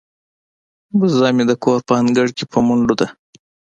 وزه مې د کور په انګړ کې په منډو ده.